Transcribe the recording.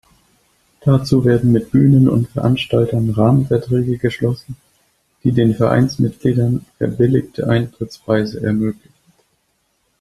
Dazu werden mit Bühnen und Veranstaltern Rahmenverträge geschlossen, die den Vereinsmitgliedern verbilligte Eintrittspreise ermöglichen.